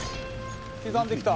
刻んできた。